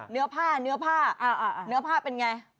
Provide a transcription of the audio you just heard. เนื้อผ้าเนื้อผ้าเป็นอย่างไร